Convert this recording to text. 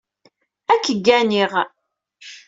Ad k-gganiɣ.